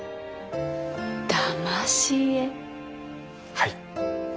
はい。